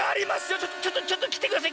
ちょっとちょっときてくださいきてください！』」。